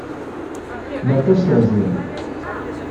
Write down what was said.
Berka astehzi!